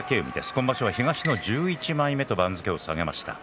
今場所は東の１１枚目と番付を下げました。